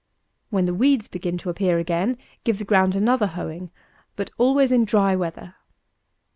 When the weeds begin to appear again, give the ground another hoeing, but always in dry weather.